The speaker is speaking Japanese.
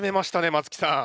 松木さん！